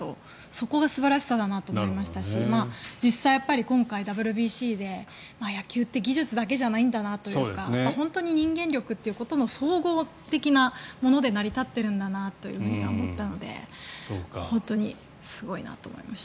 そこが素晴らしさだなと思いましたし実際に今回、ＷＢＣで野球って技術だけじゃないんだなというか本当に人間力ということの総合的なもので成り立っているんだなというふうに思ったので本当にすごいなと思いました。